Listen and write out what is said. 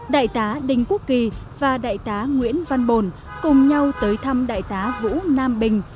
đại tá đình quốc kỳ và đại tá nguyễn văn bồn cùng nhau tới thăm đại tá vũ nam bình